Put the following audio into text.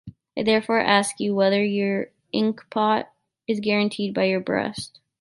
I therefore ask you whether your inkpot is guaranteed by your breast...